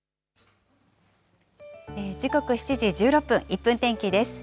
時刻７時１６分、１分天気です。